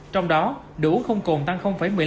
trong đó đồ uống không cồn tăng một mươi năm